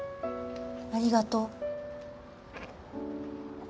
ありがとう